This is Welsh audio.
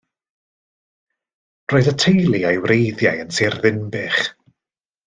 Roedd y teulu a'i wreiddiau yn Sir Ddinbych.